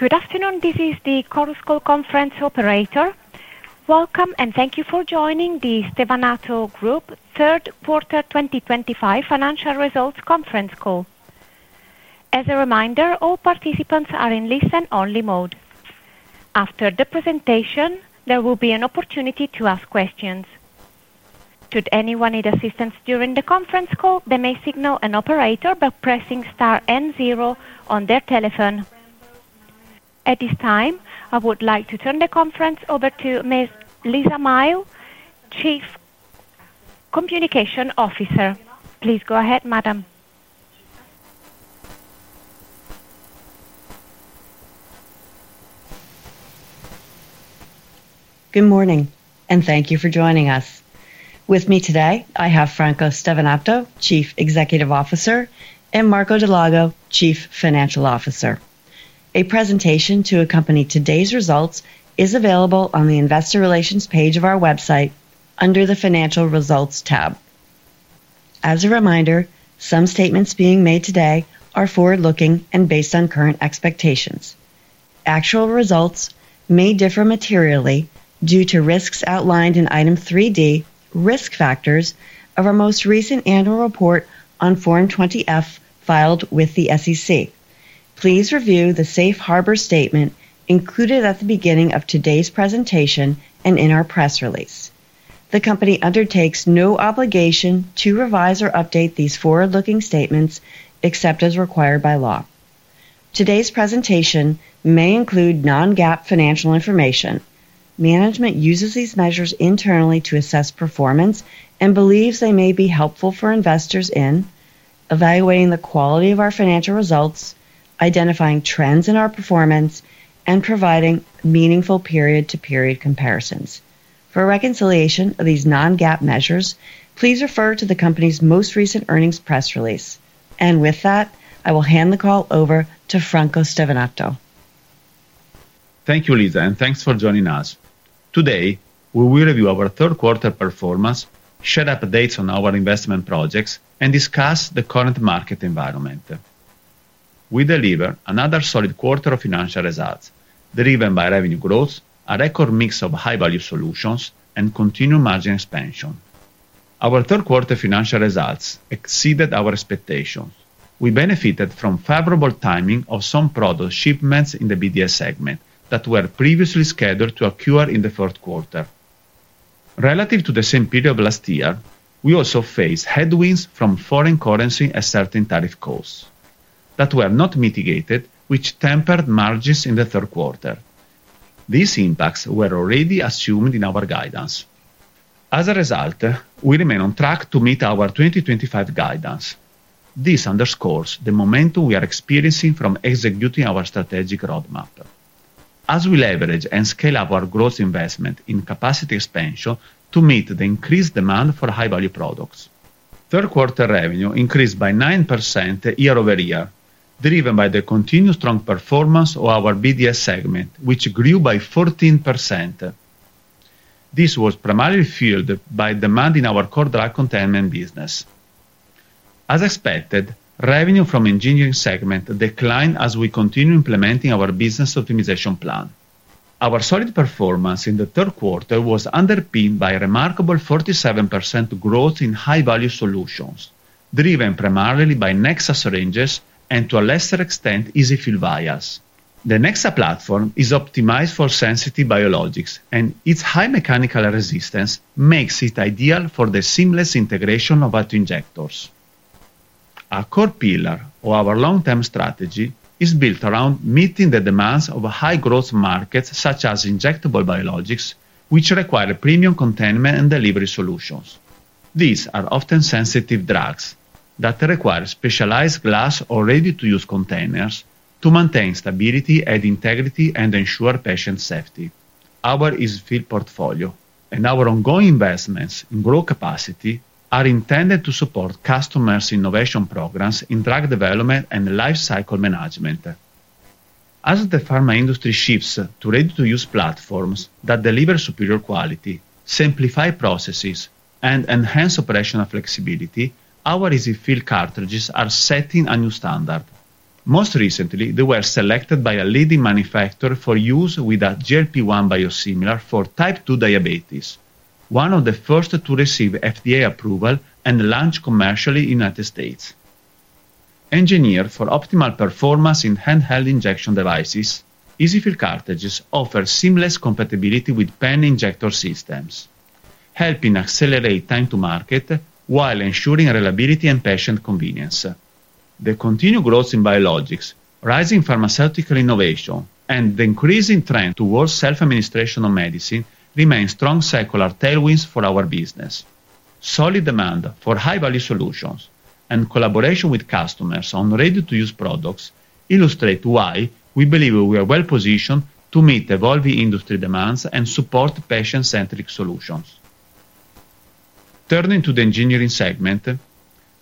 Good afternoon, this is the Chorus Call conference operator. Welcome and thank you for joining the Stevanato Group Third Quarter 2025 Financial Results Conference Call. As a reminder, all participants are in listen-only mode. After the presentation, there will be an opportunity to ask questions. Should anyone need assistance during the conference call, they may signal an operator by pressing star n zero on their telephone. At this time, I would like to turn the conference over to Ms. Lisa Miles, Chief Communication Officer. Please go ahead, Madam. Good morning, and thank you for joining us. With me today, I have Franco Stevanato, Chief Executive Officer, and Marco Dal Lago, Chief Financial Officer. A presentation to accompany today's results is available on the Investor Relations page of our website under the Financial Results tab. As a reminder, some statements being made today are forward-looking and based on current expectations. Actual results may differ materially due to risks outlined in Item 3D, Risk Factors, of our most recent annual report on Form 20-F filed with the SEC. Please review the safe harbor statement included at the beginning of today's presentation and in our press release. The company undertakes no obligation to revise or update these forward-looking statements except as required by law. Today's presentation may include non-GAAP financial information. Management uses these measures internally to assess performance and believes they may be helpful for investors in. Evaluating the quality of our financial results, identifying trends in our performance, and providing meaningful period-to-period comparisons. For reconciliation of these non-GAAP measures, please refer to the company's most recent earnings press release. I will hand the call over to Franco Stevanato. Thank you, Lisa, and thanks for joining us. Today, we will review our third quarter performance, share updates on our investment projects, and discuss the current market environment. We deliver another solid quarter of financial results driven by revenue growth, a record mix of high-value solutions, and continued margin expansion. Our third quarter financial results exceeded our expectations. We benefited from favorable timing of some product shipments in the BDS segment that were previously scheduled to occur in the fourth quarter. Relative to the same period last year, we also faced headwinds from foreign currency, asserting tariff calls that were not mitigated, which tempered margins in the third quarter. These impacts were already assumed in our guidance. As a result, we remain on track to meet our 2025 guidance. This underscores the momentum we are experiencing from executing our strategic roadmap, as we leverage and scale our growth investment in capacity expansion to meet the increased demand for high-value products. Third quarter revenue increased by 9% year-over-year, driven by the continued strong performance of our BDS segment, which grew by 14%. This was primarily fueled by demand in our core drug containment business. As expected, revenue from the engineering segment declined as we continue implementing our business optimization plan. Our solid performance in the third quarter was underpinned by a remarkable 47% growth in high-value solutions, driven primarily by Nexa syringes and, to a lesser extent, EZ-fill vials. The Nexa platform is optimized for sensitive biologics, and its high mechanical resistance makes it ideal for the seamless integration of autoinjectors. Our core pillar, or our long-term strategy, is built around meeting the demands of high-growth markets such as injectable biologics, which require premium containment and delivery solutions. These are often sensitive drugs that require specialized glass or ready-to-use containers to maintain stability and integrity and ensure patient safety. Our EZ-fill portfolio and our ongoing investments in growth capacity are intended to support customers' innovation programs in drug development and lifecycle management. As the pharma industry shifts to ready-to-use platforms that deliver superior quality, simplify processes, and enhance operational flexibility, our EZ-fill cartridges are setting a new standard. Most recently, they were selected by a leading manufacturer for use with a GLP-1 biosimilar for type 2 diabetes, one of the first to receive FDA approval and launch commercially in the United States. Engineered for optimal performance in handheld injection devices, EZ-fill cartridges offer seamless compatibility with pen injector systems, helping accelerate time to market while ensuring reliability and patient convenience. The continued growth in biologics, rising pharmaceutical innovation, and the increasing trend towards self-administration of medicine remain strong secular tailwinds for our business. Solid demand for high-value solutions and collaboration with customers on ready-to-use products illustrate why we believe we are well-positioned to meet evolving industry demands and support patient-centric solutions. Turning to the engineering segment.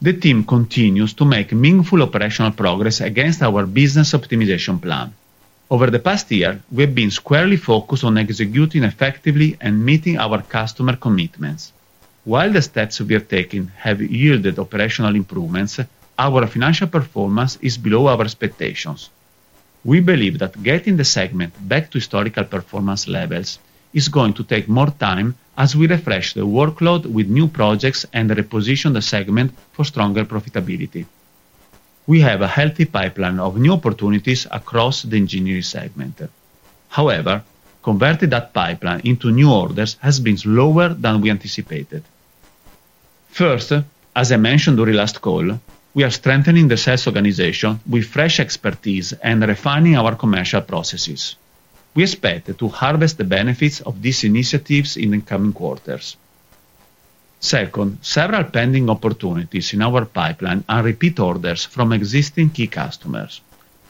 The team continues to make meaningful operational progress against our business optimization plan. Over the past year, we have been squarely focused on executing effectively and meeting our customer commitments. While the steps we have taken have yielded operational improvements, our financial performance is below our expectations. We believe that getting the segment back to historical performance levels is going to take more time as we refresh the workload with new projects and reposition the segment for stronger profitability. We have a healthy pipeline of new opportunities across the engineering segment. However, converting that pipeline into new orders has been slower than we anticipated. First, as I mentioned during last call, we are strengthening the sales organization with fresh expertise and refining our commercial processes. We expect to harvest the benefits of these initiatives in the coming quarters. Second, several pending opportunities in our pipeline are repeat orders from existing key customers.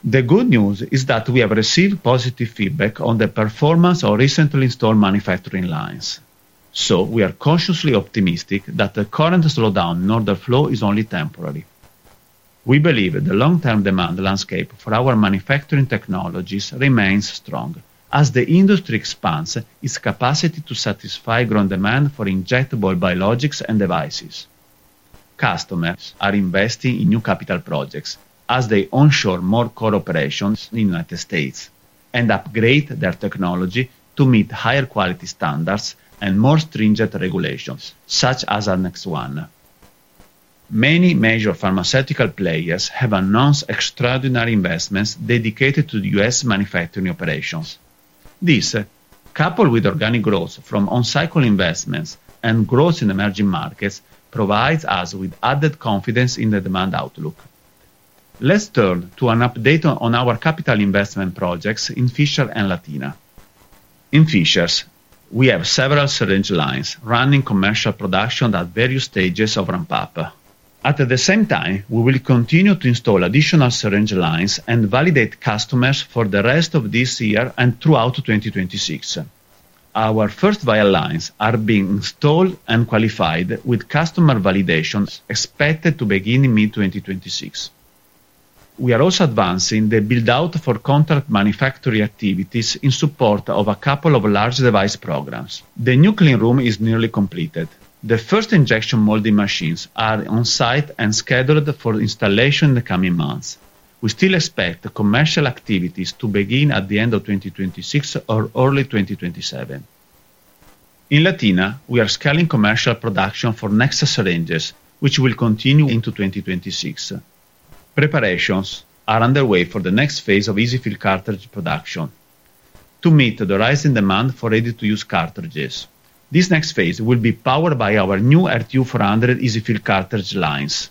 The good news is that we have received positive feedback on the performance of recently installed manufacturing lines. We are cautiously optimistic that the current slowdown in order flow is only temporary. We believe the long-term demand landscape for our manufacturing technologies remains strong as the industry expands its capacity to satisfy growing demand for injectable biologics and devices. Customers are investing in new capital projects as they onshore more core operations in the United States and upgrade their technology to meet higher quality standards and more stringent regulations, such as our next one. Many major pharmaceutical players have announced extraordinary investments dedicated to the U.S. manufacturing operations. This, coupled with organic growth from on-cycle investments and growth in emerging markets, provides us with added confidence in the demand outlook. Let's turn to an update on our capital investment projects in Fishers and Latina. In Fishers, we have several syringe lines running commercial production at various stages of ramp-up. At the same time, we will continue to install additional syringe lines and validate customers for the rest of this year and throughout 2026. Our first vial lines are being installed and qualified with customer validation expected to begin in mid-2026. We are also advancing the build-out for contract manufacturing activities in support of a couple of large device programs. The new clean room is nearly completed. The first injection molding machines are on site and scheduled for installation in the coming months. We still expect commercial activities to begin at the end of 2026 or early 2027. In Latina, we are scaling commercial production for Nexa syringes, which will continue into 2026. Preparations are underway for the next phase of EZ-fill cartridge production. To meet the rising demand for ready-to-use cartridges, this next phase will be powered by our new RTU 400 EZ-fill cartridge lines.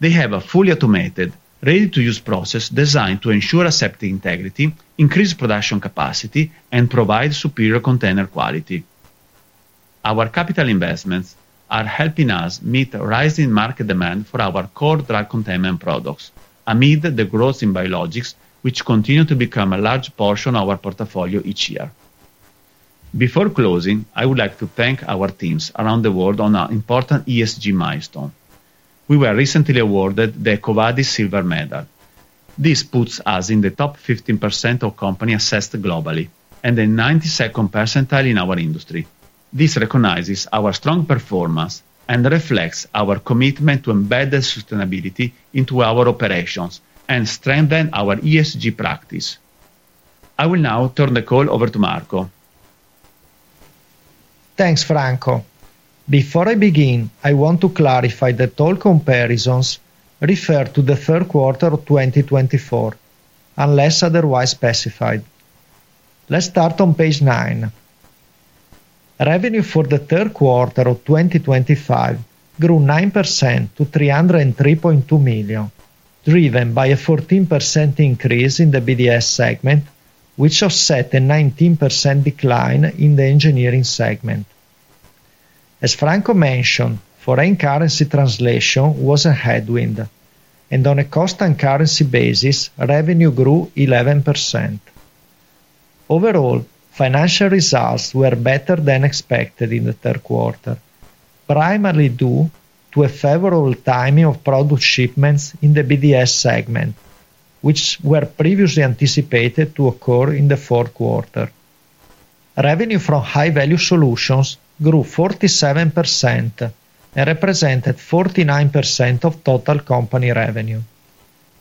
They have a fully automated, ready-to-use process designed to ensure accepting integrity, increase production capacity, and provide superior container quality. Our capital investments are helping us meet rising market demand for our core drug containment products amid the growth in biologics, which continue to become a large portion of our portfolio each year. Before closing, I would like to thank our teams around the world on our important ESG milestone. We were recently awarded the EcoVadis Silver Medal. This puts us in the top 15% of companies assessed globally and the 92nd percentile in our industry. This recognizes our strong performance and reflects our commitment to embed sustainability into our operations and strengthen our ESG practice. I will now turn the call over to Marco. Thanks, Franco. Before I begin, I want to clarify that all comparisons refer to the third quarter of 2024, unless otherwise specified. Let's start on page 9. Revenue for the third quarter of 2025 grew 9% to 303.2 million, driven by a 14% increase in the BDS segment, which offset a 19% decline in the engineering segment. As Franco mentioned, foreign currency translation was a headwind, and on a cost and currency basis, revenue grew 11%. Overall, financial results were better than expected in the third quarter, primarily due to a favorable timing of product shipments in the BDS segment, which were previously anticipated to occur in the fourth quarter. Revenue from high-value solutions grew 47% and represented 49% of total company revenue.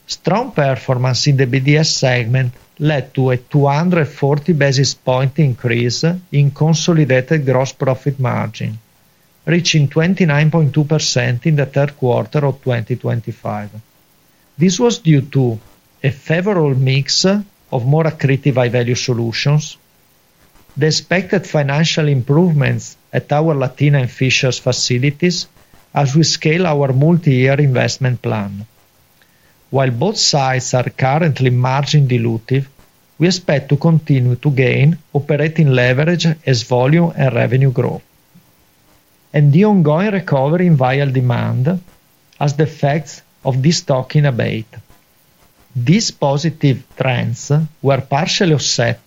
Strong performance in the BDS segment led to a 240 basis point increase in consolidated gross profit margin, reaching 29.2% in the third quarter of 2025. This was due to a favorable mix of more accretive high-value solutions, the expected financial improvements at our Latina and Fishers facilities, as we scale our multi-year investment plan. While both sides are currently margin-dilutive, we expect to continue to gain operating leverage as volume and revenue grow. The ongoing recovery in vial demand has the effects of de-stocking abate. These positive trends were partially offset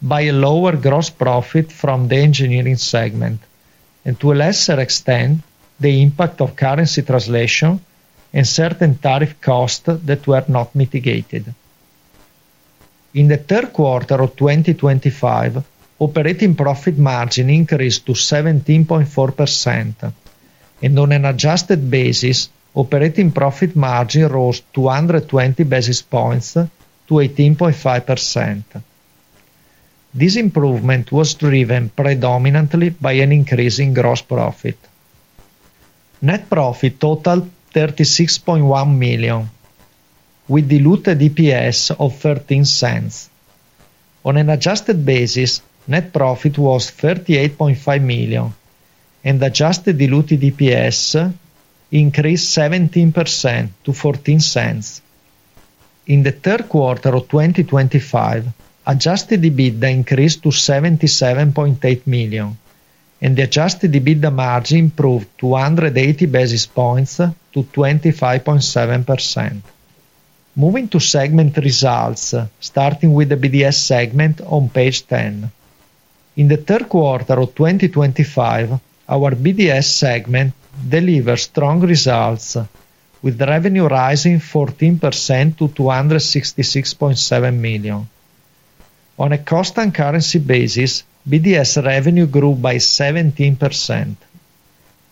by a lower gross profit from the engineering segment and, to a lesser extent, the impact of currency translation and certain tariff costs that were not mitigated. In the third quarter of 2025, operating profit margin increased to 17.4%. On an adjusted basis, operating profit margin rose 220 basis points to 18.5%. This improvement was driven predominantly by an increase in gross profit. Net profit totaled 36.1 million, with diluted EPS of 0.13. On an adjusted basis, net profit was 38.5 million, and adjusted diluted EPS increased 17% to 0.14. In the third quarter of 2025, adjusted EBITDA increased to 77.8 million, and the adjusted EBITDA margin improved 280 basis points to 25.7%. Moving to segment results, starting with the BDS segment on page 10. In the third quarter of 2025, our BDS segment delivered strong results, with revenue rising 14% to 266.7 million. On a cost and currency basis, BDS revenue grew by 17%.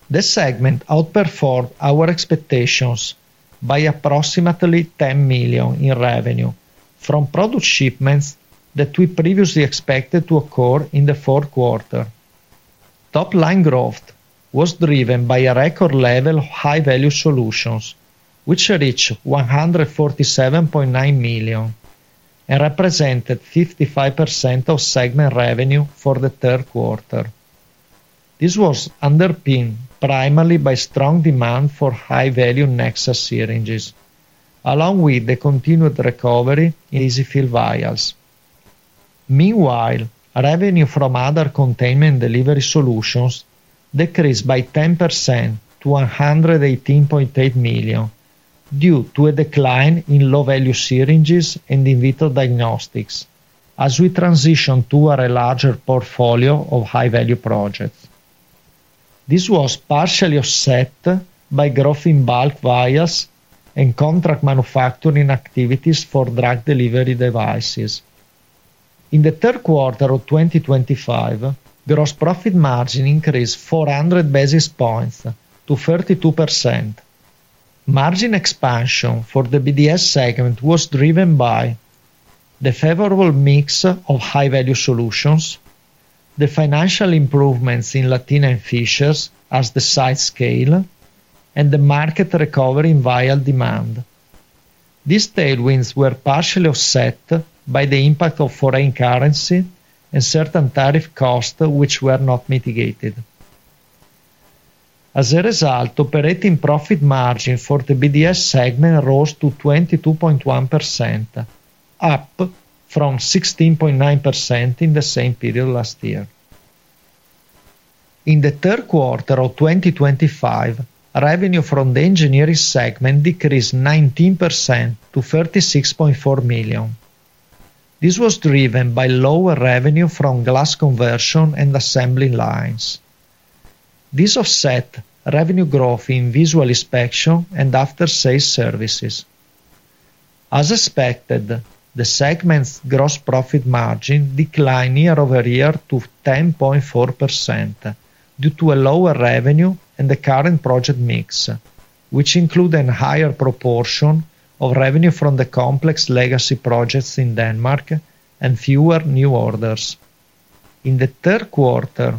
This segment outperformed our expectations by approximately 10 million in revenue from product shipments that we previously expected to occur in the fourth quarter. Top-line growth was driven by a record level of high-value solutions, which reached 147.9 million and represented 55% of segment revenue for the third quarter. This was underpinned primarily by strong demand for high-value Nexa syringes, along with the continued recovery in EZ-fill vials. Meanwhile, revenue from other containment and delivery solutions decreased by 10% to 118.8 million, due to a decline in low-value syringes and in vitro diagnostics, as we transitioned to a larger portfolio of high-value projects. This was partially offset by growth in bulk vials and contract manufacturing activities for drug delivery devices. In the third quarter of 2025, gross profit margin increased 400 basis points to 32%. Margin expansion for the BDS segment was driven by the favorable mix of high-value solutions, the financial improvements in Latina and Fishers as the size scaled, and the market recovery in vial demand. These tailwinds were partially offset by the impact of foreign currency and certain tariff costs, which were not mitigated. As a result, operating profit margin for the BDS segment rose to 22.1%, up from 16.9% in the same period last year. In the third quarter of 2025, revenue from the engineering segment decreased 19% to 36.4 million. This was driven by lower revenue from glass conversion and assembly lines. This offset revenue growth in visual inspection and after-sales services. As expected, the segment's gross profit margin declined year-over-year to 10.4% due to lower revenue and the current project mix, which included a higher proportion of revenue from the complex legacy projects in Denmark and fewer new orders. In the third quarter,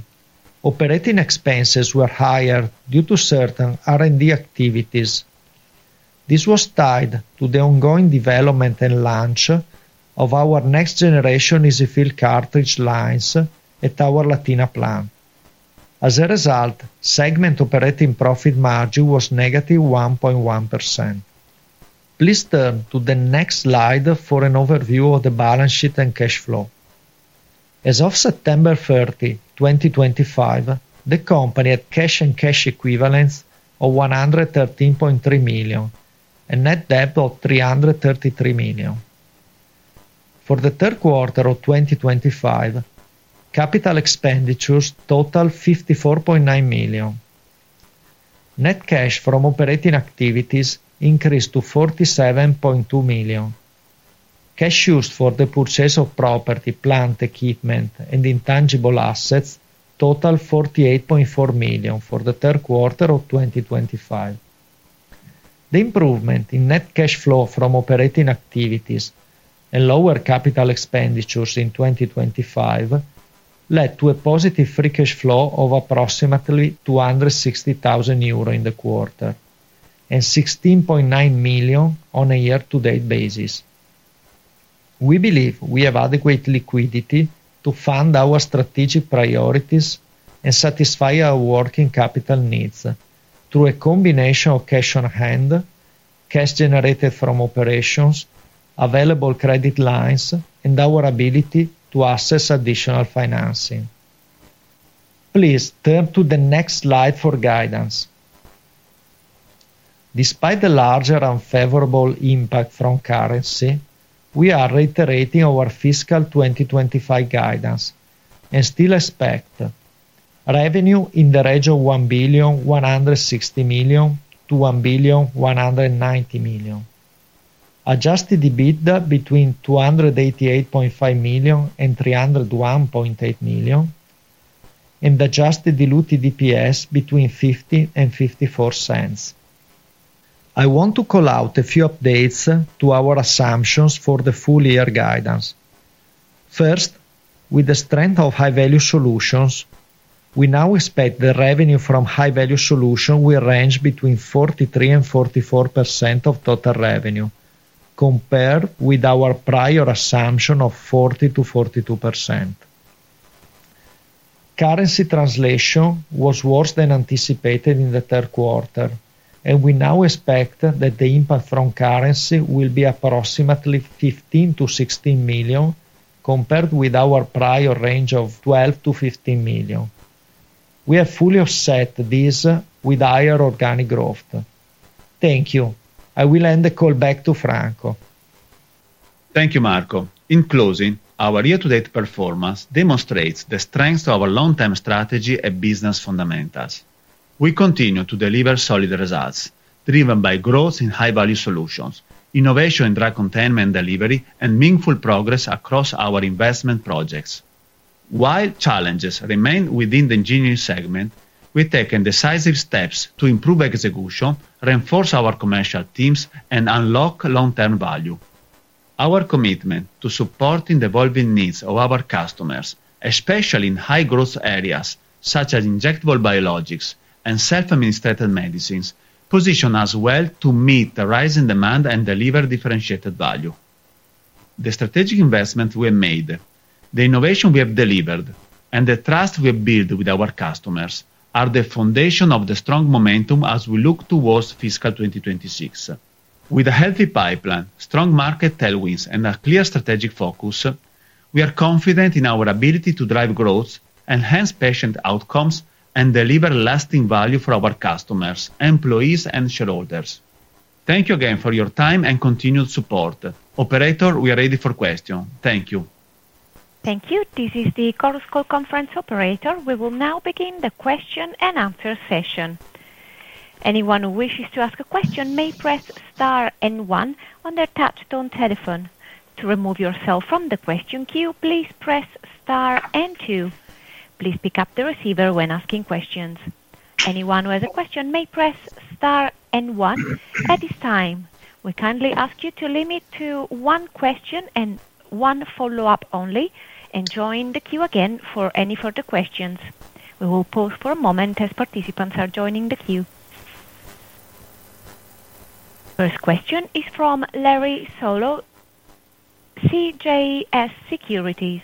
operating expenses were higher due to certain R&D activities. This was tied to the ongoing development and launch of our next-generation EZ-fill cartridge lines at our Latina plant. As a result, segment operating profit margin was -1.1%. Please turn to the next slide for an overview of the balance sheet and cash flow. As of September 30, 2025, the company had cash and cash equivalents of 113.3 million and net debt of 333 million. For the third quarter of 2025, capital expenditures totaled 54.9 million. Net cash from operating activities increased to 47.2 million. Cash used for the purchase of property, plant, equipment, and intangible assets totaled 48.4 million for the third quarter of 2025. The improvement in net cash flow from operating activities and lower capital expenditures in 2025 led to a positive free cash flow of approximately 260,000 euro in the quarter and 16.9 million on a year-to-date basis. We believe we have adequate liquidity to fund our strategic priorities and satisfy our working capital needs through a combination of cash on hand. Cash generated from operations, available credit lines, and our ability to assess additional financing. Please turn to the next slide for guidance. Despite the larger unfavorable impact from currency, we are reiterating our fiscal 2025 guidance and still expect revenue in the range of 1.160 billion-1.190 billion. Adjusted EBITDA between 288.5 million-301.8 million and adjusted diluted EPS between 0.50-0.54. I want to call out a few updates to our assumptions for the full-year guidance. First, with the strength of high-value solutions, we now expect the revenue from high-value solutions will range between 43%-44% of total revenue, compared with our prior assumption of 40%-42%. Currency translation was worse than anticipated in the third quarter, and we now expect that the impact from currency will be approximately 15 million-16 million, compared with our prior range of 12 million-15 million. We have fully offset this with higher organic growth. Thank you. I will hand the call back to Franco. Thank you, Marco. In closing, our year-to-date performance demonstrates the strength of our long-term strategy and business fundamentals. We continue to deliver solid results, driven by growth in high-value solutions, innovation in drug containment and delivery, and meaningful progress across our investment projects. While challenges remain within the engineering segment, we have taken decisive steps to improve execution, reinforce our commercial teams, and unlock long-term value. Our commitment to supporting the evolving needs of our customers, especially in high-growth areas such as injectable biologics and self-administrated medicines, positions us well to meet the rising demand and deliver differentiated value. The strategic investments we have made, the innovation we have delivered, and the trust we have built with our customers are the foundation of the strong momentum as we look towards fiscal 2026. With a healthy pipeline, strong market tailwinds, and a clear strategic focus, we are confident in our ability to drive growth, enhance patient outcomes, and deliver lasting value for our customers, employees, and shareholders. Thank you again for your time and continued support. Operator, we are ready for questions. Thank you. Thank you. This is the Chorus Call Conference Operator. We will now begin the question-and-answer session. Anyone who wishes to ask a question may press star and one on their touch-tone telephone. To remove yourself from the question queue, please press star and two. Please pick up the receiver when asking questions. Anyone who has a question may press star and one at this time. We kindly ask you to limit to one question and one follow-up only, and join the queue again for any further questions. We will pause for a moment as participants are joining the queue. First question is from Larry Solow, CJS Securities.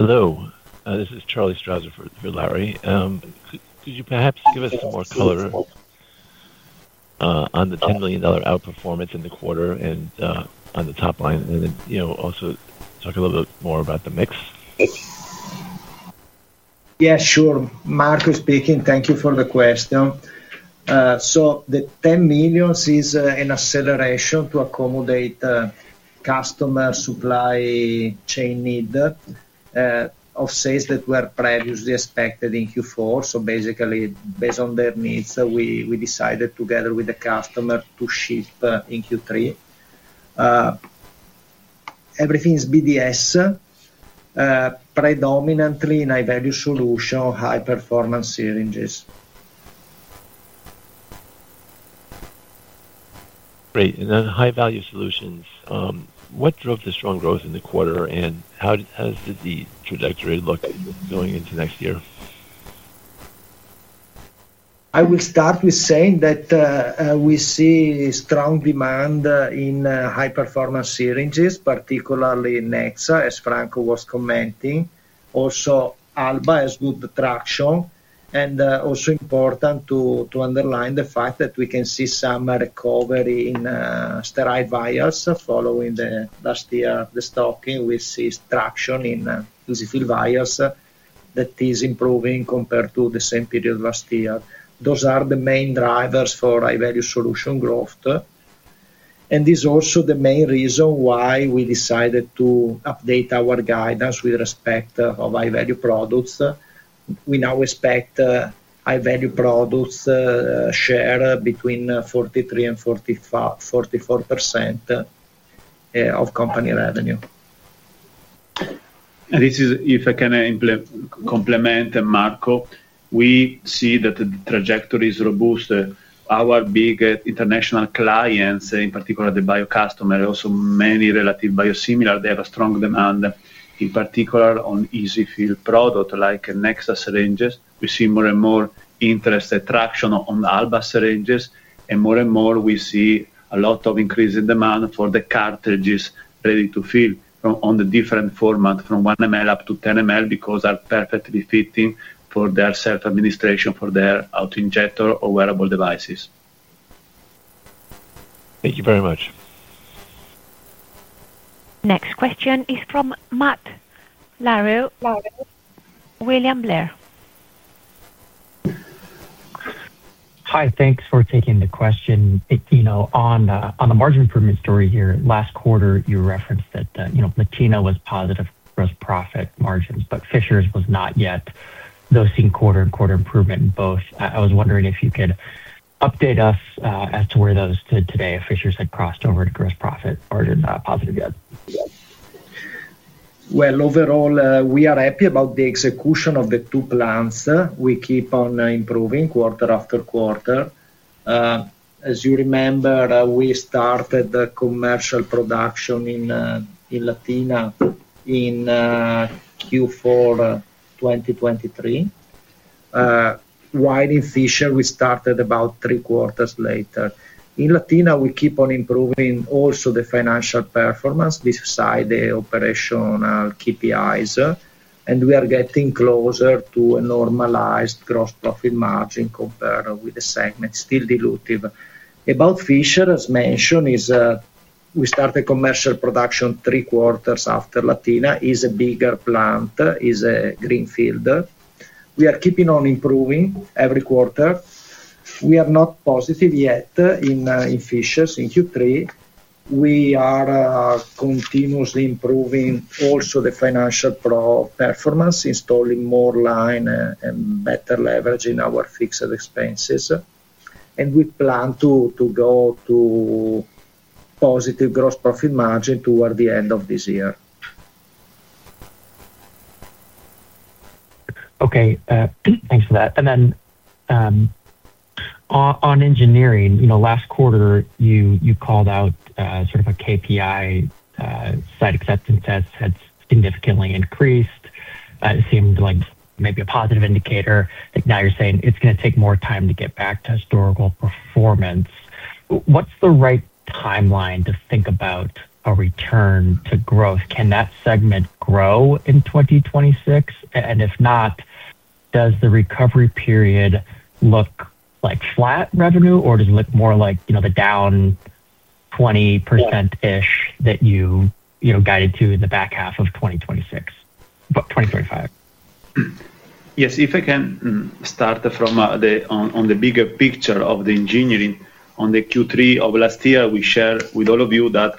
Hello. This is Charlie Strauzer on for Larry. Could you perhaps give us some more color on the EUR 10 million outperformance in the quarter and on the top line, and then also talk a little bit more about the mix? Yeah, sure. Marco speaking. Thank you for the question. The 10 million is an acceleration to accommodate customer supply chain need of sales that were previously expected in Q4. Basically, based on their needs, we decided together with the customer to shift in Q3. Everything is BDS, predominantly in high-value solutions, high-performance syringes. Great. What drove the strong growth in the quarter, and how does the trajectory look going into next year? I will start with saying that. We see strong demand in high-performance syringes, particularly Nexa, as Franco was commenting. Also, Alba has good traction. It is also important to underline the fact that we can see some recovery in steroid vials. Following last year, the stocking, we see traction in EZ-fill vials that is improving compared to the same period last year. Those are the main drivers for high-value solution growth. This is also the main reason why we decided to update our guidance with respect to high-value products. We now expect high-value products' share between 43%-44% of company revenue. If I can complement Marco, we see that the trajectory is robust. Our big international clients, in particular the bio customers, also many relative biosimilar, they have a strong demand. In particular, on EZ-fill products like Nexa syringes, we see more and more interest and traction on Alba syringes. More and more, we see a lot of increasing demand for the cartridges ready-to-fill on the different formats, from 1 ml up to 10 ml, because they are perfectly fitting for their self-administration for their autoinjector or wearable devices. Thank you very much. Next question is from Matt Larew, William Blair. Hi. Thanks for taking the question. On the margin improvement story here, last quarter, you referenced that Latina was positive gross profit margins, but Fishers was not yet. Those seen quarter-on-quarter improvement in both. I was wondering if you could update us as to where those stood today if Fishers had crossed over to gross profit margin positive yet. Overall, we are happy about the execution of the two plants. We keep on improving quarter after quarter. As you remember, we started commercial production in Latina in Q4 2023. While in Fishers, we started about three quarters later. In Latina, we keep on improving also the financial performance beside the operational KPIs. We are getting closer to a normalized gross profit margin compared with the segment, still dilutive. About Fishers, as mentioned, we started commercial production three quarters after Latina. It is a bigger plant, it is a greenfield. We are keeping on improving every quarter. We are not positive yet in Fishers in Q3. We are continuously improving also the financial performance, installing more line and better leverage in our fixed expenses. We plan to go to positive gross profit margin toward the end of this year. Okay. Thanks for that. On engineering, last quarter, you called out sort of a KPI. Site acceptance had significantly increased. It seemed like maybe a positive indicator. Now you're saying it's going to take more time to get back to historical performance. What's the right timeline to think about a return to growth? Can that segment grow in 2026? If not, does the recovery period look like flat revenue, or does it look more like the down 20% that you guided to in the back half of 2025? Yes, if I can start from the bigger picture of the engineering. On the Q3 of last year, we shared with all of you that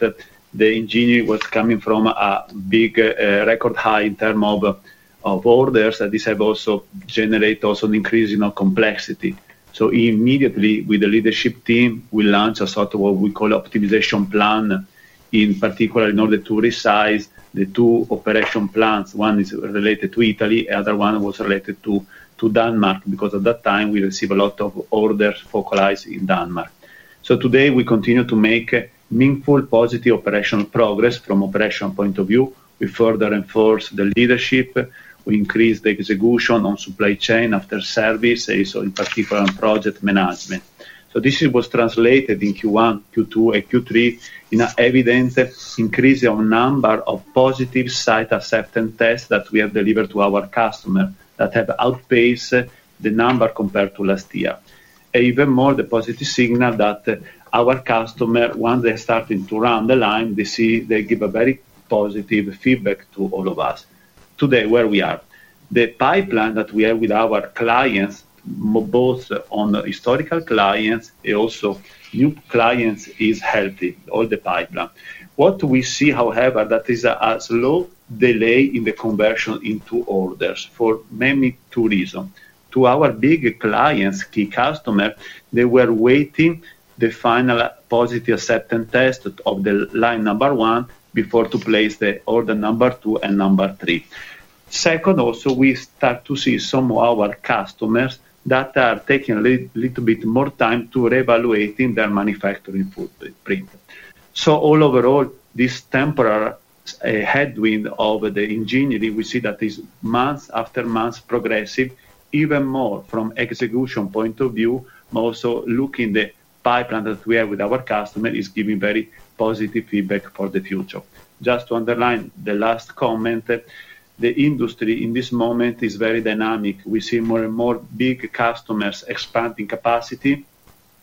the engineering was coming from a big record high in terms of orders. This has also generated an increase in complexity. Immediately, with the leadership team, we launched a sort of what we call optimization plan, in particular, in order to resize the two operation plans. One is related to Italy. The other one was related to Denmark because at that time, we received a lot of orders focalized in Denmark. Today, we continue to make meaningful positive operational progress from an operational point of view. We further reinforce the leadership. We increase the execution on supply chain after service, in particular, on project management. This was translated in Q1, Q2, and Q3 in an evident increase in the number of positive site acceptance tests that we have delivered to our customers that have outpaced the number compared to last year. Even more, the positive signal that our customers, once they start to run the line, they give very positive feedback to all of us. Today, where we are. The pipeline that we have with our clients, both on historical clients and also new clients, is healthy, all the pipeline. What we see, however, is a slow delay in the conversion into orders for many two reasons. To our big clients, key customers, they were waiting the final positive acceptance test of the line number one before placing the order number two and number three. Second, also, we start to see some of our customers that are taking a little bit more time to reevaluate their manufacturing footprint. So all overall, this temporary headwind of the engineering, we see that is month after month progressive, even more from an execution point of view. Also, looking at the pipeline that we have with our customers, it's giving very positive feedback for the future. Just to underline the last comment, the industry in this moment is very dynamic. We see more and more big customers expanding capacity.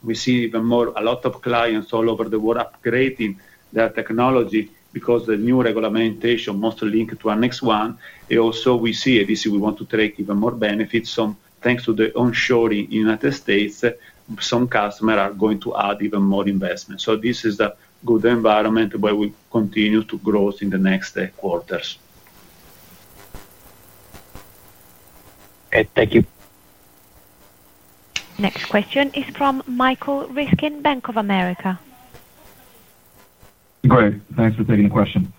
We see even more a lot of clients all over the world upgrading their technology because the new regulation mostly linked to our next one. And also, we see a vision we want to take even more benefits. So thanks to the onshoring in the United States, some customers are going to add even more investment. This is a good environment where we continue to grow in the next quarters. Okay. Thank you. Next question is from Michael Ryskin, Bank of America. Great. Thanks for taking the question.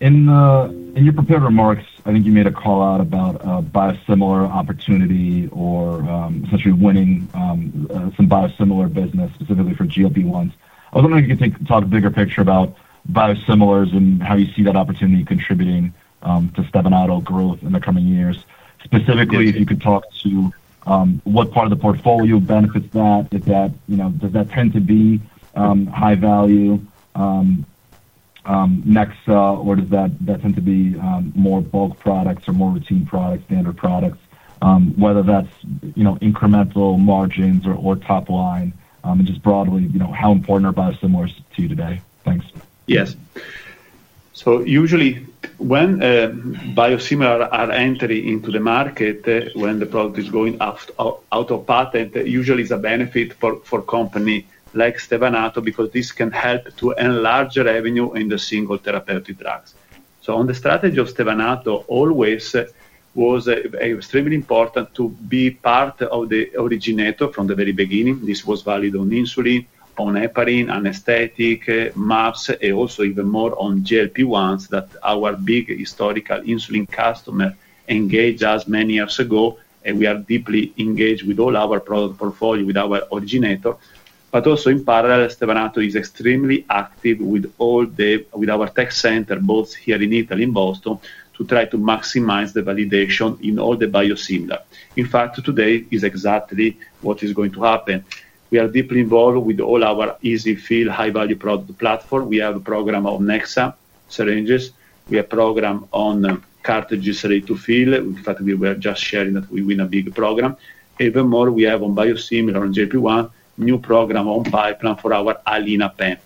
In your prepared remarks, I think you made a call out about a biosimilar opportunity or essentially winning some biosimilar business, specifically for GLP-1s. I was wondering if you could talk a bigger picture about biosimilars and how you see that opportunity contributing to Stevanato growth in the coming years. Specifically, if you could talk to what part of the portfolio benefits that. Does that tend to be high-value Nexa, or does that tend to be more bulk products or more routine products, standard products? Whether that's incremental margins or top line, and just broadly, how important are biosimilars to you today? Thanks. Yes. Usually, when biosimilars are entering into the market, when the product is going out of patent, usually it is a benefit for a company like Stevanato because this can help to enlarge revenue in the single therapeutic drugs. On the strategy of Stevanato, it always was extremely important to be part of the originator from the very beginning. This was valid on insulin, on heparin, anesthetic, MAPs, and also even more on GLP-1s that our big historical insulin customer engaged us many years ago. We are deeply engaged with all our product portfolio, with our originator. Also, in parallel, Stevanato is extremely active with our tech center, both here in Italy and in Boston, to try to maximize the validation in all the biosimilars. In fact, today is exactly what is going to happen. We are deeply involved with all our EZ-fill high-value product platform. We have a program on Nexa syringes. We have a program on cartridges ready-to-fill. In fact, we were just sharing that we win a big program. Even more, we have on biosimilar, on GLP-1, a new program on pipeline for our Alina pen.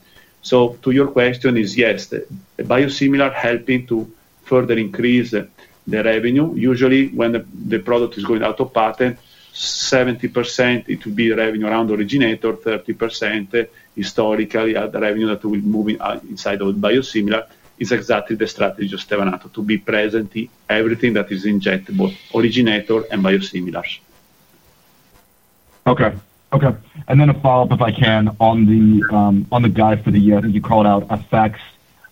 To your question, yes, the biosimilars are helping to further increase the revenue. Usually, when the product is going out of patent, 70% would be revenue around originator, 30%. Historically, the revenue that we're moving inside of biosimilars is exactly the strategy of Stevanato, to be present in everything that is injectable, originator and biosimilars. Okay. Okay. A follow-up, if I can, on the guide for the year. I think you called out effects.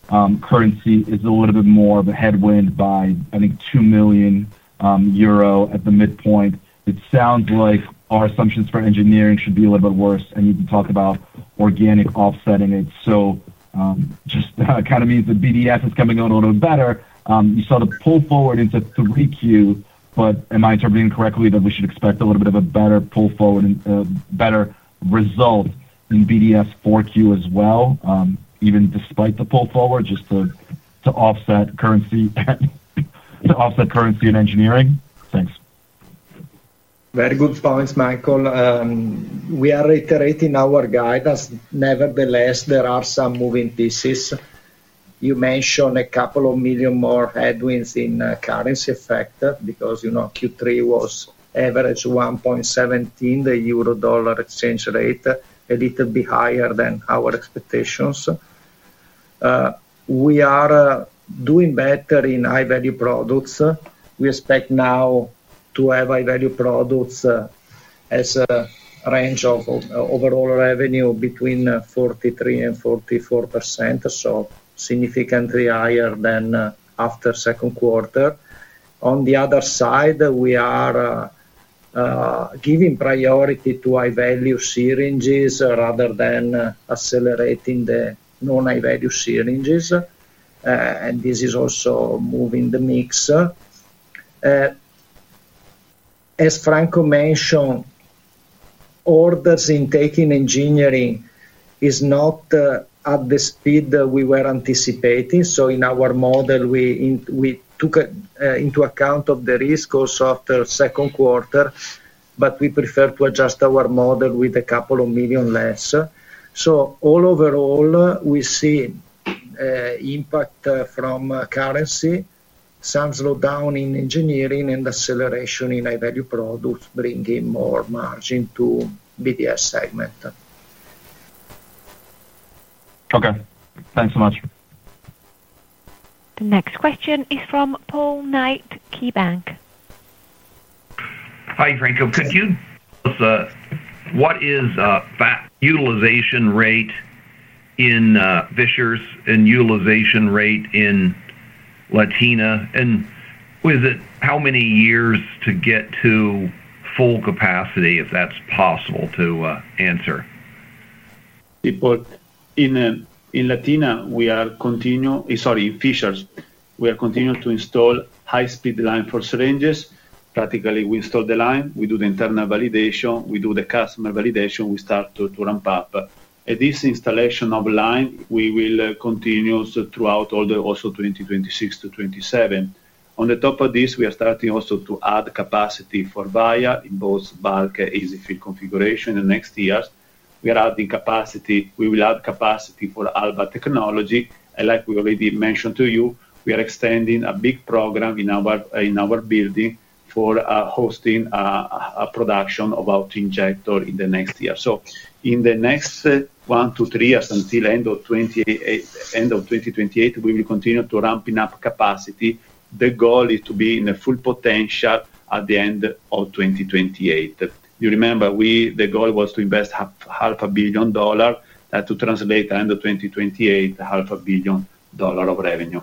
Currency is a little bit more of a headwind by, I think, 2 million euro at the midpoint. It sounds like our assumptions for engineering should be a little bit worse, and you talked about organic offsetting it. Just kind of means the BDS is coming out a little bit better. You saw the pull forward into 3Q, but am I interpreting correctly that we should expect a little bit of a better pull forward and better result in BDS 4Q as well, even despite the pull forward, just to offset currency and engineering? Thanks. Very good points, Michael. We are reiterating our guidance. Nevertheless, there are some moving pieces. You mentioned a couple of million more headwinds in currency effect because Q3 was average 1.17, the EUR/USD exchange rate, a little bit higher than our expectations. We are doing better in high-value products. We expect now to have high-value products as a range of overall revenue between 43% and 44%, so significantly higher than after second quarter. On the other side, we are giving priority to high-value syringes rather than accelerating the non-high-value syringes. This is also moving the mix. As Franco mentioned, orders in taking engineering is not at the speed we were anticipating. In our model, we took into account the risk also after second quarter, but we prefer to adjust our model with a couple of million less. All overall, we see. Impact from currency, some slowdown in engineering, and acceleration in high-value products bringing more margin to BDS segment. Okay. Thanks so much. The next question is from Paul Knight, KeyBanc. Hi, Franco. Could you. What is a utilization rate in Fishers and utilization rate in Latina? And how many years to get to full capacity, if that's possible to answer? In Fishers, we are continuing to install high-speed line for syringes. Practically, we install the line, we do the internal validation, we do the customer validation, we start to ramp up. This installation of line will continue throughout also 2026 to 2027. On the top of this, we are starting also to add capacity for vials in both bulk and EZ-fill configuration in the next years. We are adding capacity. We will add capacity for Alba Technology. Like we already mentioned to you, we are extending a big program in our building for hosting a production of our injector in the next year. In the next one to three years, until the end of 2028, we will continue to ramp up capacity. The goal is to be in full potential at the end of 2028. You remember, the goal was to invest EUR 500 million to translate the end of 2028, EUR 500 million of revenue.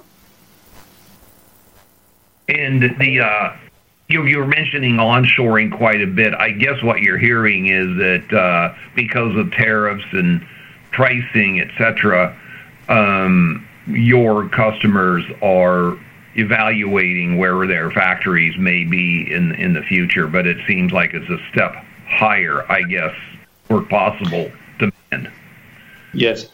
You were mentioning onshoring quite a bit. I guess what you're hearing is that because of tariffs and pricing, etc., your customers are evaluating where their factories may be in the future, but it seems like it's a step higher, I guess, for possible demand. Yes.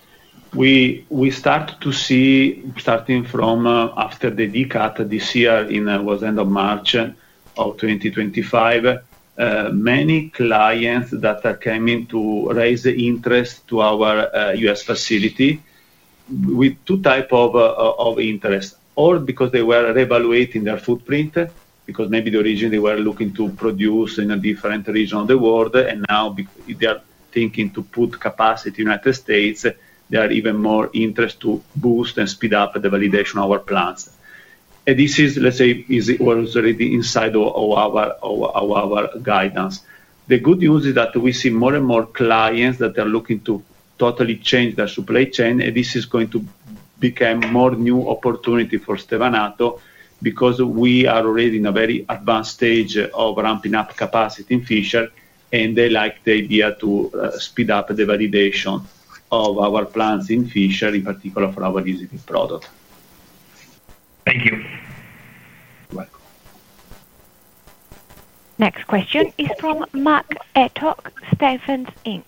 We start to see, starting from after the decut this year in the end of March of 2025. Many clients that are coming to raise the interest to our U.S. facility. With two types of interest: or because they were reevaluating their footprint, because maybe the origin they were looking to produce in a different region of the world, and now they are thinking to put capacity in the United States, there are even more interest to boost and speed up the validation of our plants. And this is, let's say, what was already inside of our guidance. The good news is that we see more and more clients that are looking to totally change their supply chain, and this is going to become more new opportunity for Stevanato because we are already in a very advanced stage of ramping up capacity in Fishers, and they like the idea to speed up the validation of our plants in Fishers, in particular for our EZ-fill product. Thank you. You're welcome. Next question is from Mac Etoch, Stephens Inc.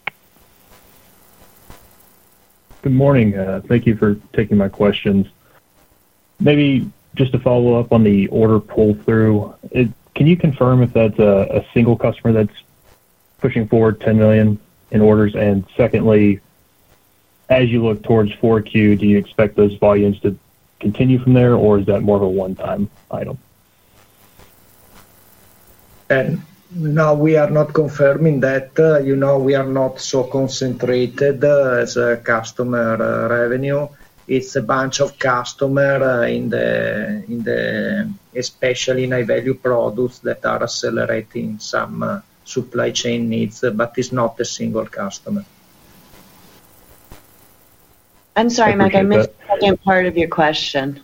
Good morning. Thank you for taking my questions. Maybe just to follow up on the order pull-through, can you confirm if that's a single customer that's pushing forward 10 million in orders? Secondly, as you look towards Q4, do you expect those volumes to continue from there, or is that more of a one-time item? No, we are not confirming that. We are not so concentrated as a customer revenue. It's a bunch of customers, especially in high-value products, that are accelerating some supply chain needs, but it's not a single customer. I'm sorry, Mike. I missed the second part of your question.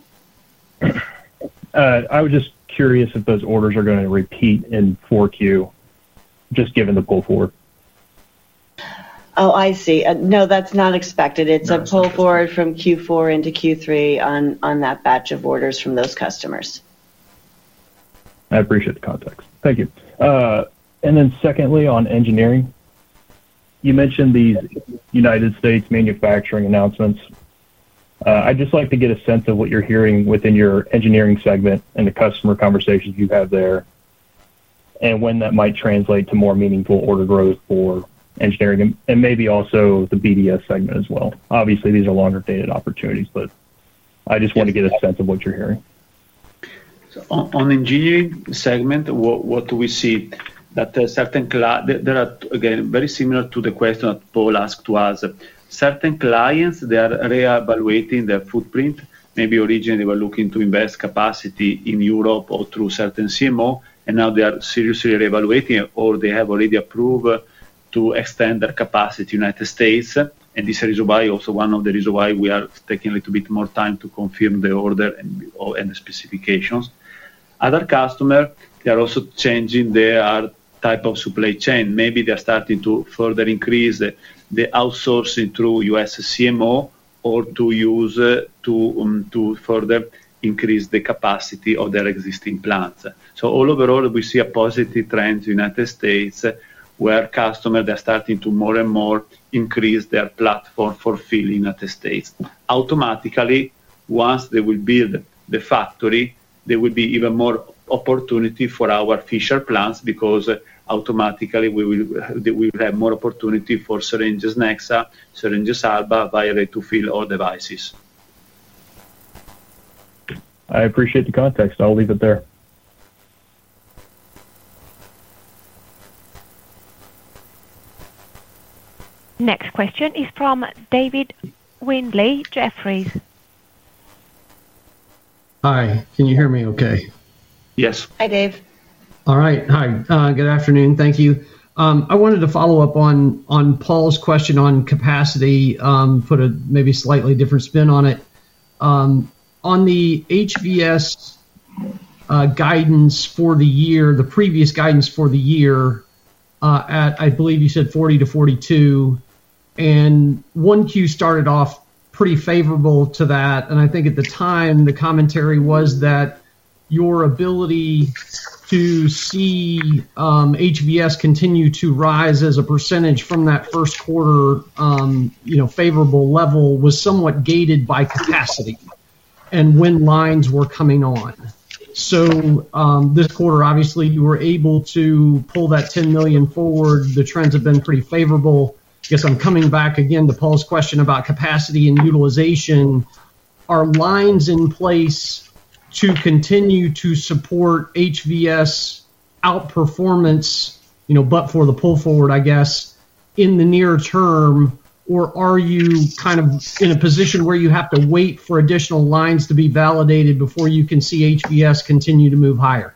I was just curious if those orders are going to repeat in Q4. Just given the pull forward. Oh, I see. No, that's not expected. It's a pull forward from Q4 into Q3 on that batch of orders from those customers. I appreciate the context. Thank you. Secondly, on engineering. You mentioned these United States manufacturing announcements. I'd just like to get a sense of what you're hearing within your engineering segment and the customer conversations you have there. When that might translate to more meaningful order growth for engineering, and maybe also the BDS segment as well. Obviously, these are longer-dated opportunities, but I just want to get a sense of what you're hearing. On the engineering segment, what do we see? There are, again, very similar to the question that Paul asked to us. Certain clients, they are reevaluating their footprint. Maybe originally they were looking to invest capacity in Europe or through certain CMO, and now they are seriously reevaluating, or they have already approved to extend their capacity in the United States. This is also one of the reasons why we are taking a little bit more time to confirm the order and the specifications. Other customers, they are also changing their type of supply chain. Maybe they are starting to further increase the outsourcing through U.S. CMO or to use, to further increase the capacity of their existing plants. Overall, we see a positive trend in the United States where customers are starting to more and more increase their platform for fill in the United States. Automatically, once they will build the factory, there will be even more opportunity for our Fishers plants because automatically we will have more opportunity for syringes Nexa, syringes Alba, vials ready-to-fill all devices. I appreciate the context. I'll leave it there. Next question is from David Windley, Jefferies. Hi. Can you hear me okay? Yes. Hi, Dave. All right. Hi. Good afternoon. Thank you. I wanted to follow up on Paul's question on capacity for maybe a slightly different spin on it. On the HVS guidance for the year, the previous guidance for the year, I believe you said 40-42. And 1Q started off pretty favorable to that. I think at the time, the commentary was that your ability to see HVS continue to rise as a percentage from that first quarter favorable level was somewhat gated by capacity and when lines were coming on. This quarter, obviously, you were able to pull that 10 million forward. The trends have been pretty favorable. I guess I'm coming back again to Paul's question about capacity and utilization. Are lines in place to continue to support HVS outperformance, but for the pull forward, I guess, in the near term, or are you kind of in a position where you have to wait for additional lines to be validated before you can see HVS continue to move higher?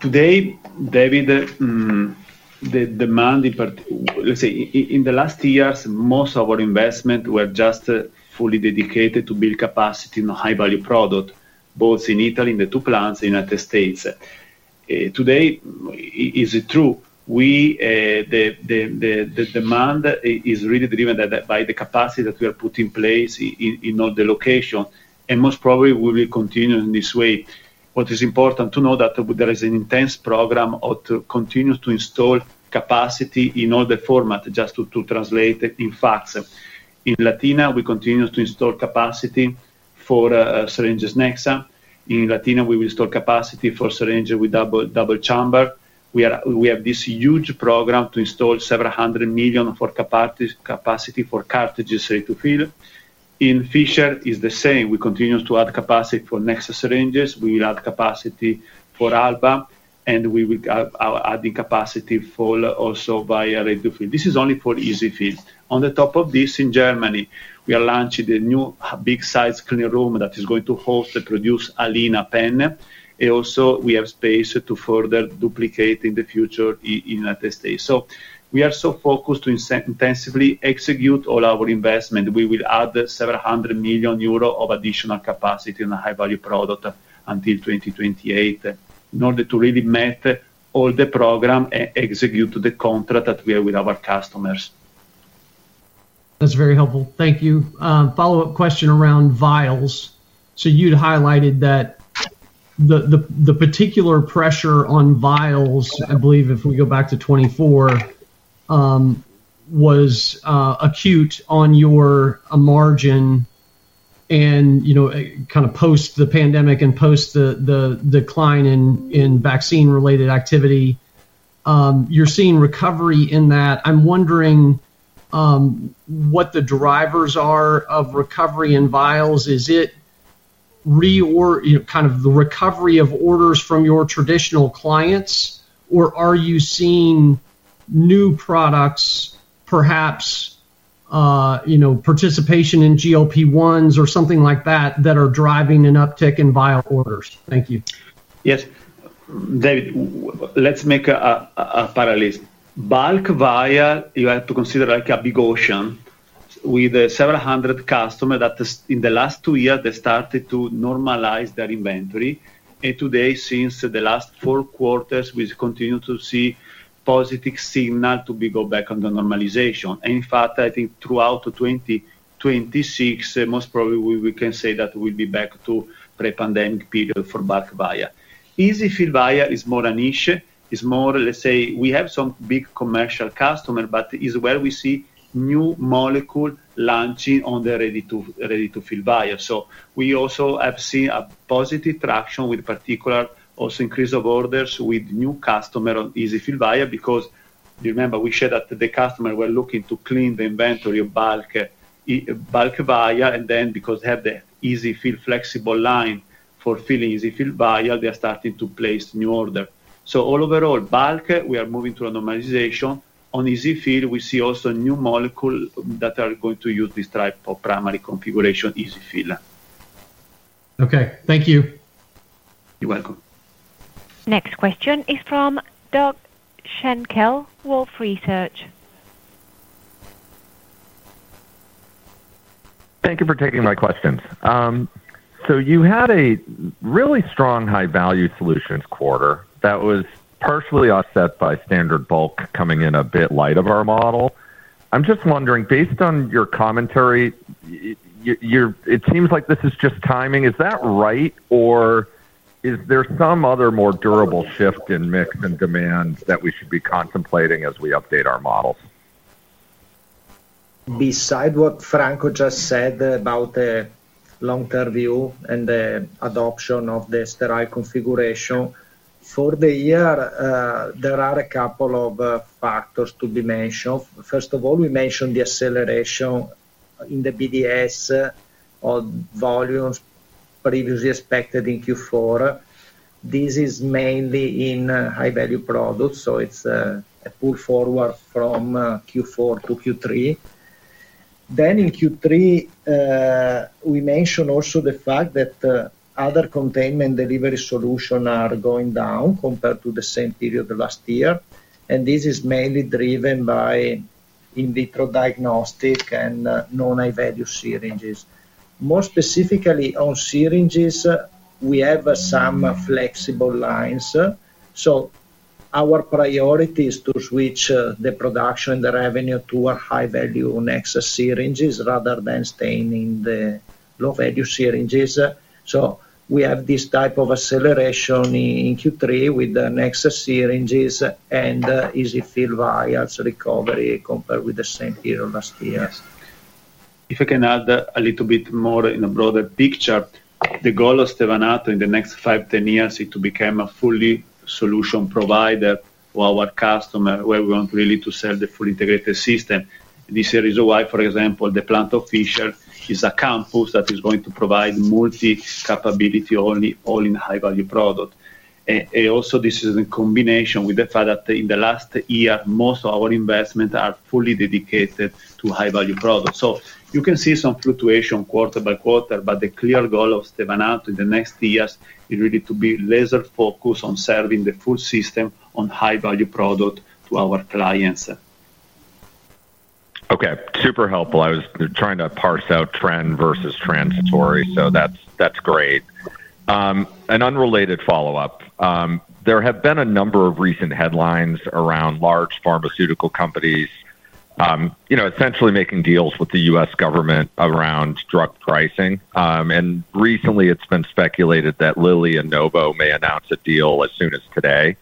Today, David. The demand, let's say, in the last years, most of our investment were just fully dedicated to build capacity in a high-value product, both in Italy, in the two plants, and in the United States. Today, is it true? The demand is really driven by the capacity that we have put in place in all the locations. Most probably, we will continue in this way. What is important to know is that there is an intense program to continue to install capacity in all the formats just to translate it in facts. In Latina, we continue to install capacity for syringes Nexa. In Latina, we will install capacity for syringe with double chamber. We have this huge program to install several hundred million for capacity for cartridges ready-to-fill. In Fishers, it's the same. We continue to add capacity for Nexa syringes. We will add capacity for Alba, and we will add capacity for also via ready-to-fill. This is only for EZ-fill. On the top of this, in Germany, we are launching a new big-size clean room that is going to host the produce Alina pen. Also, we have space to further duplicate in the future in the United States. We are so focused to intensively execute all our investment. We will add several hundred million EUR of additional capacity in a high-value product until 2028 in order to really meet all the programs and execute the contract that we have with our customers. That's very helpful. Thank you. Follow-up question around vials. You'd highlighted that the particular pressure on vials, I believe, if we go back to 2024, was acute on your margin. Kind of post the pandemic and post the decline in vaccine-related activity, you're seeing recovery in that. I'm wondering what the drivers are of recovery in vials. Is it kind of the recovery of orders from your traditional clients, or are you seeing new products, perhaps participation in GLP-1s or something like that that are driving an uptick in vial orders? Thank you. Yes. David, let's make a parallel. Bulk vials, you have to consider a big ocean with several hundred customers that in the last two years, they started to normalize their inventory. Today, since the last four quarters, we continue to see positive signals to go back on the normalization. In fact, I think throughout 2026, most probably, we can say that we'll be back to the pre-pandemic period for bulk vials. EZ-fill vials is more a niche. It's more, let's say, we have some big commercial customers, but it's where we see new molecules launching on the ready-to-fill vials. We also have seen a positive traction with particular also increase of orders with new customers on EZ-fill vials because you remember we shared that the customers were looking to clean the inventory of bulk vials. Because they have the EZ-fill flexible line for filling EZ-fill vials, they are starting to place new orders. Overall, bulk, we are moving to a normalization. On EZ-fill, we see also new molecules that are going to use this type of primary configuration, EZ-fill. Okay. Thank you. You're welcome. Next question is from Doug Shankell, Wolf Research. Thank you for taking my questions. You had a really strong high-value solutions quarter that was partially offset by standard bulk coming in a bit light of our model. I'm just wondering, based on your commentary, it seems like this is just timing. Is that right, or is there some other more durable shift in mix and demand that we should be contemplating as we update our models? Beside what Franco just said about the long-term view and the adoption of the sterile configuration, for the year, there are a couple of factors to be mentioned. First of all, we mentioned the acceleration in the BDS. Volumes previously expected in Q4. This is mainly in high-value products, so it's a pull forward from Q4 to Q3. In Q3, we mentioned also the fact that other containment delivery solutions are going down compared to the same period last year. This is mainly driven by in vitro diagnostic and non-high-value syringes. More specifically on syringes, we have some flexible lines. Our priority is to switch the production and the revenue to our high-value Nexa syringes rather than staying in the low-value syringes. We have this type of acceleration in Q3 with the Nexa syringes and EZ-fill vials's recovery compared with the same period last year. If I can add a little bit more in a broader picture, the goal of Stevanato Group in the next 5, 10 years is to become a fully solution provider for our customers where we want really to sell the full integrated system. This is why, for example, the plant of Fishers is a campus that is going to provide multi-capability only, all in high-value product. Also, this is in combination with the fact that in the last year, most of our investments are fully dedicated to high-value products. You can see some fluctuation quarter by quarter, but the clear goal of Stevanato Group in the next years is really to be laser-focused on serving the full system on high-value product to our clients. Okay. Super helpful. I was trying to parse out trend versus transitory, so that's great. An unrelated follow-up. There have been a number of recent headlines around large pharmaceutical companies. Essentially making deals with the U.S. government around drug pricing. And recently, it's been speculated that Lilly and Novo may announce a deal as soon as today.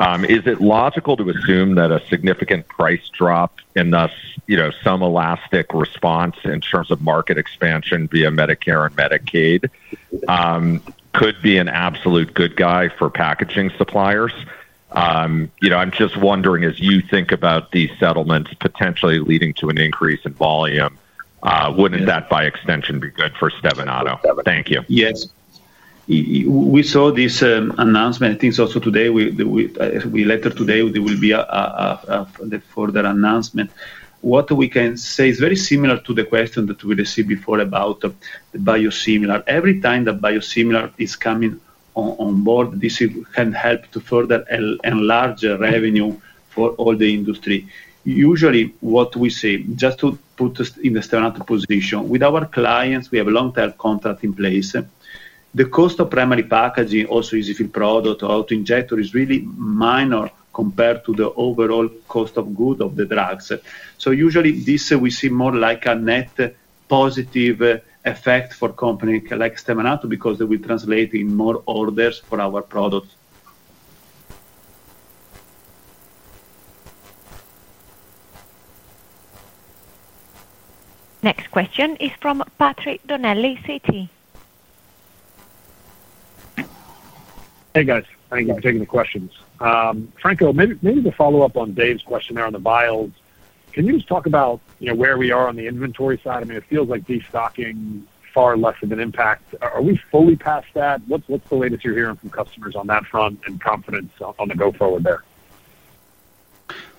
Is it logical to assume that a significant price drop and thus some elastic response in terms of market expansion via Medicare and Medicaid could be an absolute good guy for packaging suppliers? I'm just wondering, as you think about these settlements potentially leading to an increase in volume, wouldn't that by extension be good for Stevanato? Thank you. Yes. We saw this announcement. I think also today. Later today, there will be a further announcement. What we can say is very similar to the question that we received before about the biosimilar. Every time the biosimilar is coming on board, this can help to further enlarge revenue for all the industry. Usually, what we say, just to put in the Stevanato position, with our clients, we have a long-term contract in place. The cost of primary packaging, also EZ-fill product or auto injector, is really minor compared to the overall cost of goods of the drugs. Usually, this we see more like a net positive effect for companies like Stevanato because they will translate in more orders for our products. Next question is from Patrick Donnelly, Citi. Hey, guys. Thank you for taking the questions. Franco, maybe to follow up on Dave's question there on the vials, can you just talk about where we are on the inventory side? I mean, it feels like destocking far less of an impact. Are we fully past that? What's the latest you're hearing from customers on that front and confidence on the go-forward there?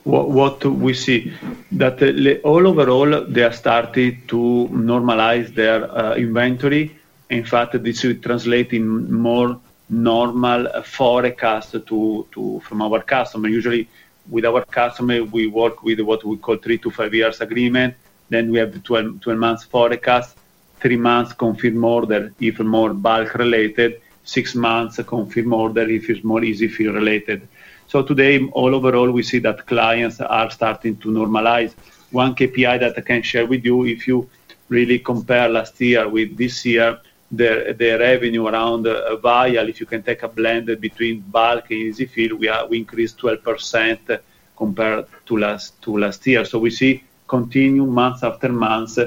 What we see is that overall, they are starting to normalize their inventory. In fact, this would translate in more normal forecast from our customers. Usually, with our customers, we work with what we call 3- to 5-year agreement. Then we have the 12-month forecast, 3 months confirmed order, even more bulk-related, 6 months confirmed order if it is more EZ-fill-related. Today, overall, we see that clients are starting to normalize. One KPI that I can share with you, if you really compare last year with this year, the revenue around vial, if you can take a blend between bulk and EZ-fill, we increased 12% compared to last year. We see continuing month after month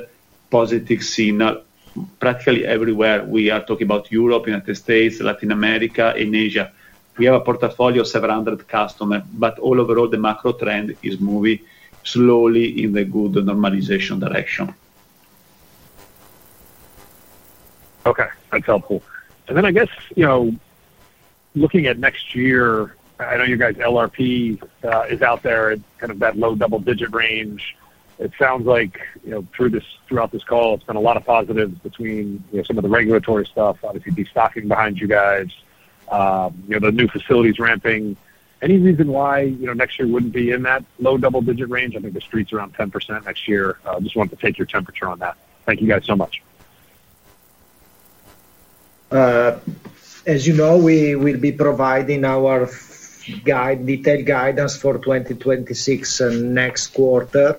positive signal practically everywhere. We are talking about Europe, United States, Latin America, and Asia. We have a portfolio of several hundred customers, but overall, the macro trend is moving slowly in the good normalization direction. Okay. That's helpful. I guess looking at next year, I know your guys' LRP is out there in kind of that low double-digit range. It sounds like throughout this call, it's been a lot of positives between some of the regulatory stuff, obviously destocking behind you guys, the new facilities ramping. Any reason why next year would not be in that low double-digit range? I think the street's around 10% next year. I just wanted to take your temperature on that. Thank you guys so much. As you know, we'll be providing our detailed guidance for 2026 and next quarter.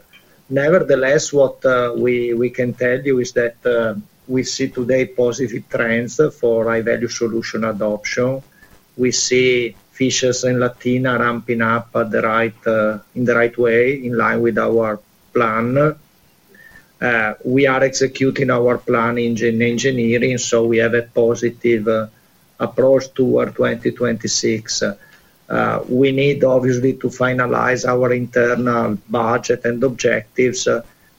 Nevertheless, what we can tell you is that we see today positive trends for high-value solution adoption. We see Fishers and Latina ramping up in the right way, in line with our plan. We are executing our plan in engineering, so we have a positive approach toward 2026. We need, obviously, to finalize our internal budget and objectives,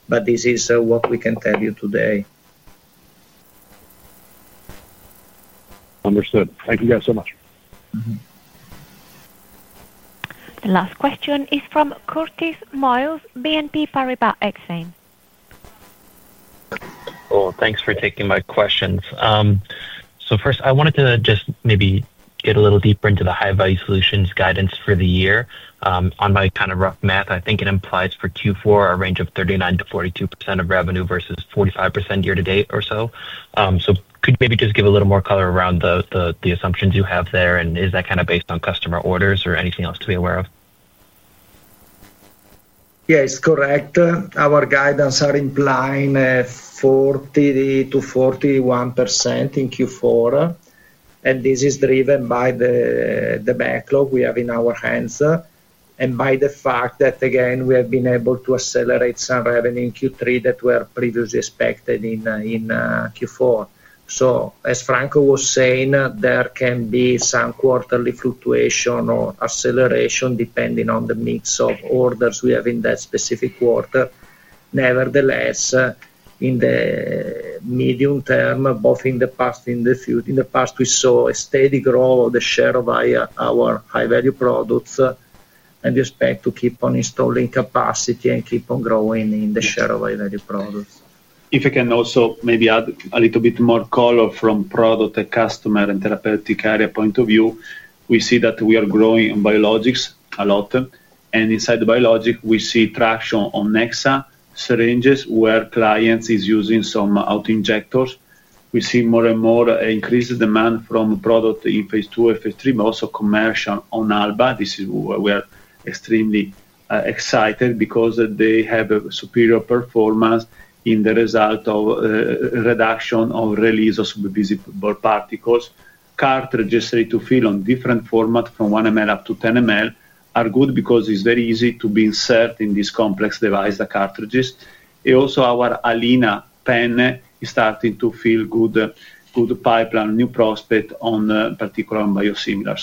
but this is what we can tell you today. Understood. Thank you guys so much. The last question is from Curtis Moiles, BNP Paribas Exane. Oh, thanks for taking my questions. First, I wanted to just maybe get a little deeper into the high-value solutions guidance for the year. On my kind of rough math, I think it implies for Q4 a range of 39%-42% of revenue versus 45% year-to-date or so. Could you maybe just give a little more color around the assumptions you have there, and is that kind of based on customer orders or anything else to be aware of? Yeah, it's correct. Our guidance is implying 40%-41% in Q4. This is driven by the backlog we have in our hands and by the fact that, again, we have been able to accelerate some revenue in Q3 that were previously expected in Q4. As Franco was saying, there can be some quarterly fluctuation or acceleration depending on the mix of orders we have in that specific quarter. Nevertheless, in the medium term, both in the past and in the future, in the past, we saw a steady growth of the share of our high-value products and we expect to keep on installing capacity and keep on growing in the share of high-value products. If I can also maybe add a little bit more color from product, customer, and therapeutic area point of view, we see that we are growing in biologics a lot. Inside biologics, we see traction on Nexa syringes where clients are using some autoinjectors. We see more and more increased demand from product in phase II and phase III, but also commercial on Alba. This is where we are extremely excited because they have a superior performance in the result of reduction of release of visible particles. Cartridges ready-to-fill on different formats from 1 ml up to 10 ml are good because it is very easy to be inserted in this complex device, the cartridges. Also, our Alina pen is starting to fill good. Pipeline, new prospect on particular biosimilar.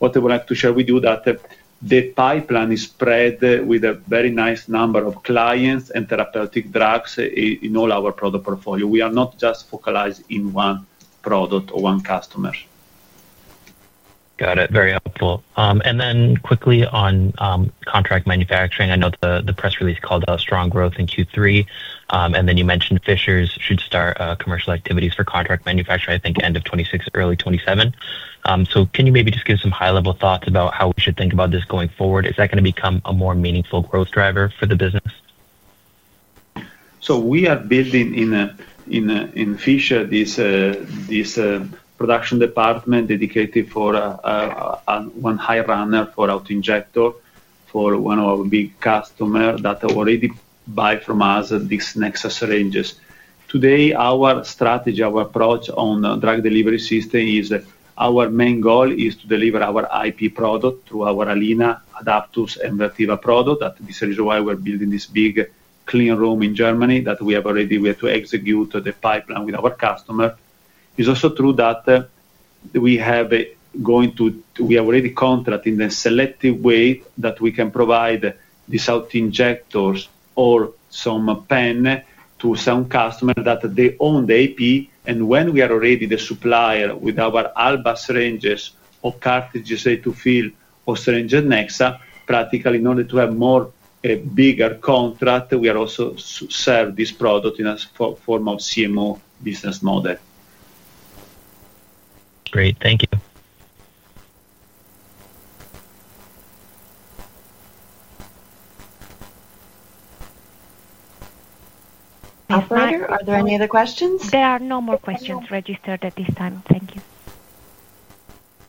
What I would like to share with you is that the pipeline is spread with a very nice number of clients and therapeutic drugs in all our product portfolio. We are not just focalized in one product or one customer. Got it. Very helpful. Quickly on contract manufacturing, I know the press release called out strong growth in Q3. You mentioned Fishers should start commercial activities for contract manufacturing, I think end of 2026, early 2027. Can you maybe just give some high-level thoughts about how we should think about this going forward? Is that going to become a more meaningful growth driver for the business? We are building in Fishers this production department dedicated for one high runner for autoinjector for one of our big customers that already buy from us these Nexa syringes. Today, our strategy, our approach on drug delivery system is our main goal is to deliver our IP product through our Alina, Aidaptus, and Vertiva product. That is the reason why we're building this big clean room in Germany that we have already to execute the pipeline with our customer. It's also true that we have already contracted in the selective way that we can provide these autoinjectors or some pen to some customer that they own the IP. When we are already the supplier with our Alba syringes or cartridges ready-to-fill or syringes Nexa, practically in order to have a bigger contract, we are also serving this product in a form of CMO business model. Great. Thank you. Operator, are there any other questions? There are no more questions registered at this time. Thank you.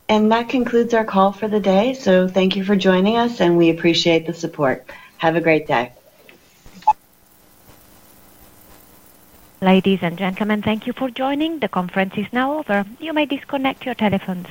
That concludes our call for the day. Thank you for joining us, and we appreciate the support. Have a great day. Ladies and gentlemen, thank you for joining. The conference is now over. You may disconnect your telephones.